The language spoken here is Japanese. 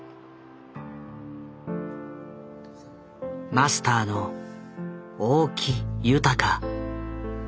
マスターの大木雄高。